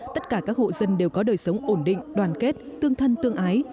tất cả các hộ dân đều có đời sống ổn định đoàn kết tương thân tương ái